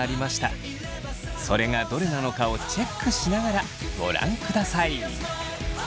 それがどれなのかをチェックしながらご覧ください。